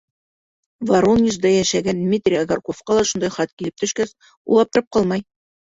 Воронежда йәшәгән Дмитрий Агарковҡа ла ошондай хат килеп төшкәс, ул аптырап ҡалмай.